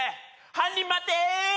犯人待て！